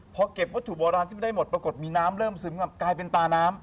พอเก็บวัตถุโบราณขึ้นมาได้หมดปรากฏมีน้ำเริ่มซึมกลายเป็นตาน้ำ